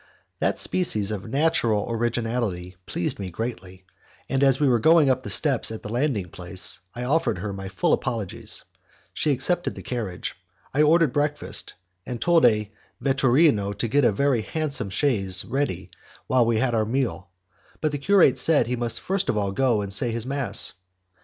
That species of natural originality pleased me greatly, and as we were going up the steps at the landing place, I offered her my full apologies; she accepted the carriage. I ordered breakfast, and told a 'vetturino' to get a very handsome chaise ready while we had our meal, but the curate said that he must first of all go and say his mass.